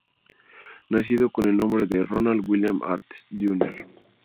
Nacido con el nombre de Ronald William Artest, Jr.